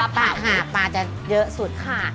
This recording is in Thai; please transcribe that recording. ปลาค่ะปลาจะเยอะสุดค่ะ